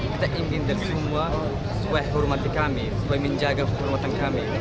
kita ingin dari semua supaya hormati kami supaya menjaga keselamatan kami